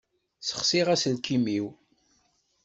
Ssexsiɣ aselkim-iw.